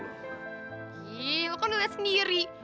gila lo kan udah lihat sendiri